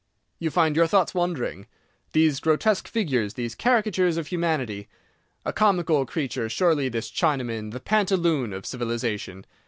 You find your thoughts wandering. These grotesque figures, these caricatures of humanity! A comical creature, surely, this Chinaman, the pantaloon of civilization.